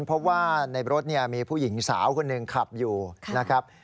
เพราะว่าในรถเนี่ยมีผู้หญิงสาวคนหนึ่งขับอยู่นะครับ